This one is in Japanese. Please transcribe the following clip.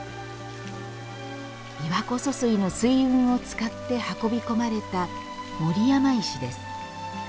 琵琶湖疏水の水運を使って運び込まれた守山石です。